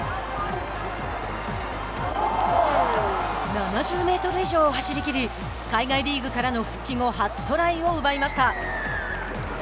７０メートル以上を走りきり海外リーグからの復帰後初トライを奪いました。